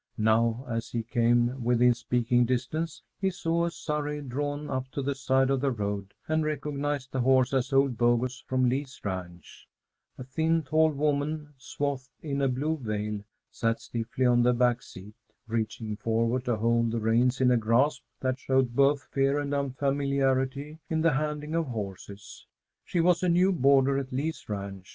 Now as he came within speaking distance, he saw a surrey drawn up to the side of the road, and recognized the horse as old Bogus from Lee's ranch. [Illustration: "IT NEEDED NO SECOND GLANCE TO TELL HIM WHO SHE WAS"] A thin, tall woman, swathed in a blue veil, sat stiffly on the back seat, reaching forward to hold the reins in a grasp that showed both fear and unfamiliarity in the handling of horses. She was a new boarder at Lee's ranch.